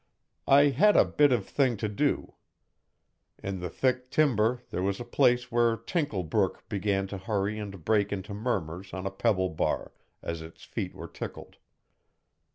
I had a bit of think to do. In the thick timber there was a place where Tinkle brook began to hurry and break into murmurs on a pebble bar, as if its feet were tickled.